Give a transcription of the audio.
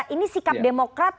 ini sikap demokrat